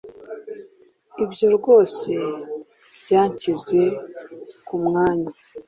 ibyo rwose byanshyize kumwanya